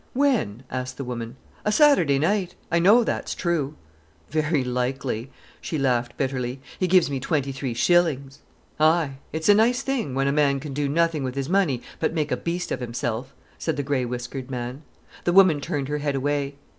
"When?" asked the woman. "A' Sat'day night—I know that's true." "Very likely," she laughed bitterly. "He gives me twenty three shillings." "Aye, it's a nice thing, when a man can do nothing with his money but make a beast of himself!" said the grey whiskered man. The woman turned her head away.